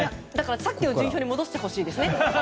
さっきの順位表に戻してほしいですね。